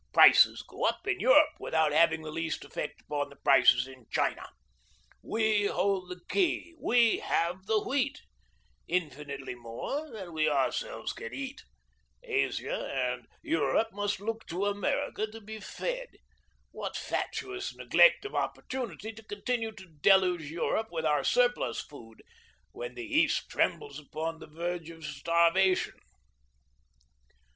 Prices go up in Europe without having the least effect upon the prices in China. We hold the key, we have the wheat, infinitely more than we ourselves can eat. Asia and Europe must look to America to be fed. What fatuous neglect of opportunity to continue to deluge Europe with our surplus food when the East trembles upon the verge of starvation!"